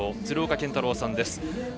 鶴岡剣太郎さんです。